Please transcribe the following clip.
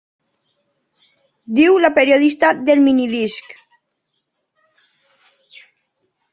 Diu la periodista del minidisc—.